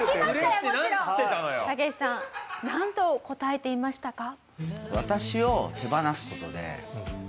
タケシさんなんと答えていましたか？